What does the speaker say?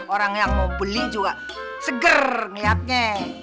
orang yang mau beli juga seger niatnya